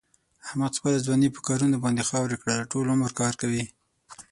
احمد خپله ځواني په کارونو باندې خاورې کړله. ټول عمر کار کوي.